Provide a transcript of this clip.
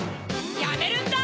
やめるんだ！